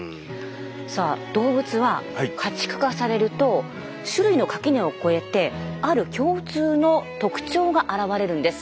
さあ動物は家畜化されると種類の垣根をこえてある共通の特徴があらわれるんです。